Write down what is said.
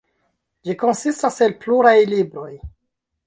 Ĝi konsistas el pluraj libroj.